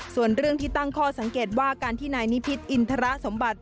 ส่วนเรื่องที่ตั้งข้อสังเกตว่าการที่นายนิพิษอินทรสมบัติ